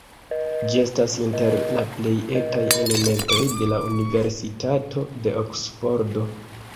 Ĝi estas inter la plej etaj elementoj de la Universitato de Oksfordo.